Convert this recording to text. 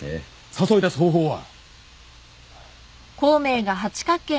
誘い出す方法は？